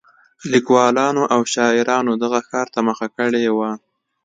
لیکوالانو او شاعرانو دغه ښار ته مخه کړې وه.